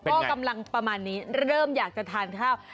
ก็กำลังประมาณนี้เริ่มอยากจะทานข้าว